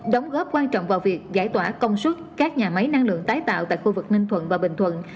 đóng góp quan trọng vào việc giải tỏa công suất các nhà máy năng lượng tái tạo tại khu vực ninh thuận và bình thuận